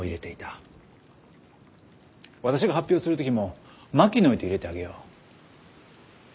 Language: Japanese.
私が発表する時も「マキノイ」と入れてあげよう。